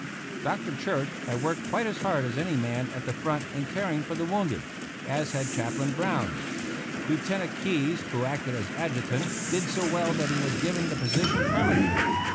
Dr. Church had worked quite as hard as any man at the front in caring for the wounded; as had Chaplain Brown. Lieutenant Keyes, who acted as adjutant, did so well that he was given the position permanently.